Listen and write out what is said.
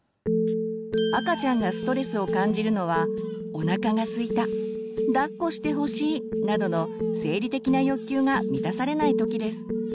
赤ちゃんがストレスを感じるのはおなかがすいただっこしてほしいなどの生理的な欲求が満たされないときです。